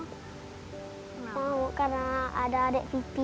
mau karena ada adik pipi